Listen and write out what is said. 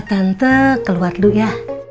tantang keluar dulu ya